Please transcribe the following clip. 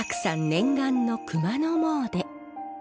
念願の熊野詣で。